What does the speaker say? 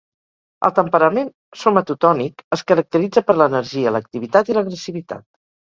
El temperament somatotònic es caracteritza per l'energia, l'activitat i l'agressivitat.